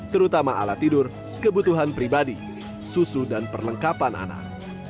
terutama alat tidur kebutuhan pribadi susu dan perlengkapan anak